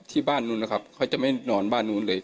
ที่บ้านนู้นนะครับเขาจะไม่นอนบ้านนู้นเลย